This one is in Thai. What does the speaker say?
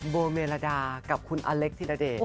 โบเมลดากับคุณอเล็กธิระเดช